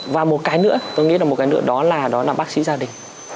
và một cái nữa tôi nghĩ là một cái nữa đó là bác sĩ gia đình